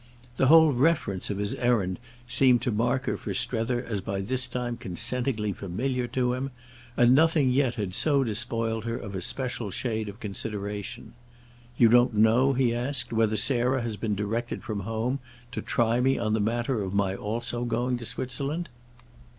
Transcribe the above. The whole reference of his errand seemed to mark her for Strether as by this time consentingly familiar to him, and nothing yet had so despoiled her of a special shade of consideration. "You don't know," he asked, "whether Sarah has been directed from home to try me on the matter of my also going to Switzerland?"